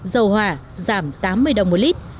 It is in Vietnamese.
dầu hỏa giảm tám mươi đồng một lít